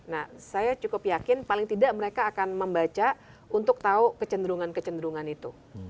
nah saya cukup yakin paling tidak mereka akan membaca untuk tahu kecenderungan kecenderungan itu